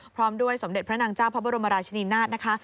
พร้อมด้วยสมเด็จพระนางเจ้าพระบรมราชนีนาฏนะคะ